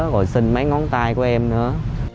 rồi xin mấy ngón tay của em nữa